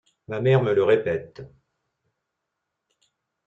Ma mère me le répète.